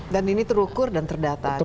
dan ini terukur dan terdata